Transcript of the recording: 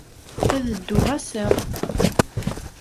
Ad dduɣ ass-a.